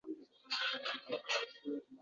Fidoyilar umri fakat